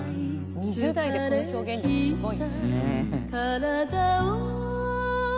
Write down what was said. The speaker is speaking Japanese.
２０代でこの表現力すごいね。